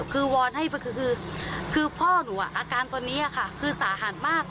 คือวอนให้คือพ่อหนูอาการตอนนี้ค่ะคือสาหัสมาก